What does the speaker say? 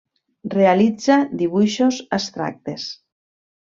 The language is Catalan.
Realitza dibuixos abstractes.